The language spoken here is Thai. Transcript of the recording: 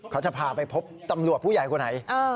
เขาจะพาไปพบตำรวจผู้ใหญ่คนไหน